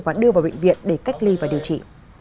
và đưa vào bệnh viện để cách ly và điều trị